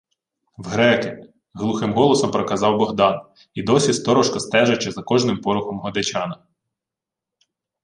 — В греки, — глухим голосом проказав Богдан, і досі сторожко стежачи за кожним порухом Годечана.